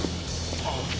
あっ。